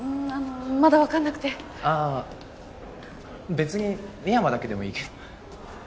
別に深山だけでもいいけど。